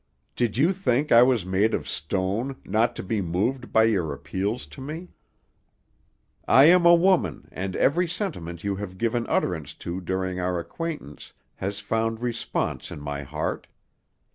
Did you think I was made of stone, not to be moved by your appeals to me? I am a woman, and every sentiment you have given utterance to during our acquaintance has found response in my heart.